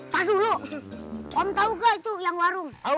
tar dulu om tau gak itu yang warung